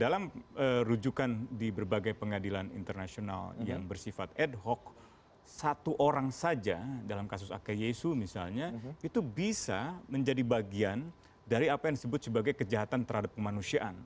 dalam rujukan di berbagai pengadilan internasional yang bersifat ad hoc satu orang saja dalam kasus ak yesu misalnya itu bisa menjadi bagian dari apa yang disebut sebagai kejahatan terhadap kemanusiaan